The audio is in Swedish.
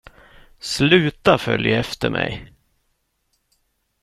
Sluta följ efter mig.